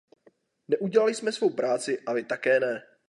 Neudělali jsme svou práci a vy také ne.